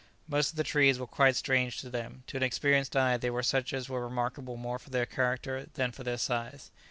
Most of the trees were quite strange to them. To an experienced eye they were such as were remarkable more for their character then for their size.